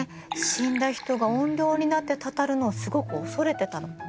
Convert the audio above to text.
死んだ人が怨霊になってたたるのをすごく恐れてたの。